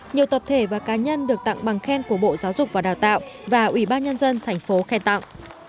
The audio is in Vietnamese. nhiều tập thể và cá nhân được tặng bằng khen của bộ giáo dục và đào tạo và ủy ban nhân dân thành phố khen tặng